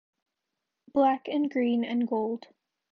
"Black and Green and Gold"